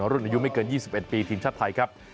รุ่นอายุไม่เกิน๒๑ปีทีมชาติไทยครับ